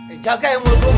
eh jaga ya mulutmu